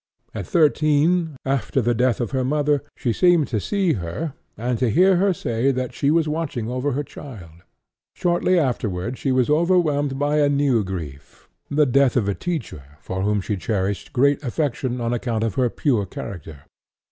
At thirteen, after the death of her mother, she seemed to see her, and to hear her say that she was watching over her child. Shortly afterward she was overwhelmed by a new grief, the death of a teacher for whom she cherished great affection on account of her pure character.